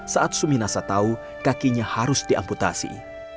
saat suminasa tahu kakinya harus diamputasi